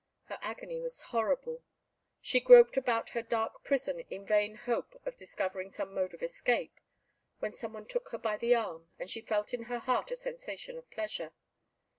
Her agony was horrible; she groped about her dark prison in vain hope of discovering some mode of escape, when some one took her by the arm, and she felt in her heart a sensation of pleasure.